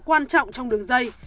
quan trọng trong đường dây